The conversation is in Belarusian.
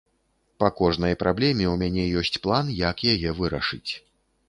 Па кожнай праблеме ў мяне ёсць план, як яе вырашыць.